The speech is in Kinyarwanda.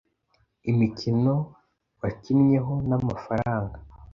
imikino wakinnyeho n’amafaranga